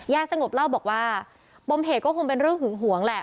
สงบเล่าบอกว่าปมเหตุก็คงเป็นเรื่องหึงหวงแหละ